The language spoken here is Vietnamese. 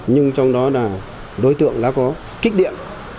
nhưng trong đó là đối tượng đã có kích điện